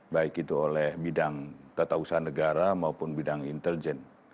baik itu oleh bidang tata usaha negara maupun bidang intelijen